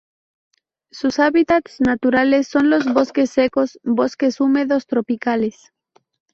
Sus hábitats naturales son los bosques secos, bosques húmedos tropicales.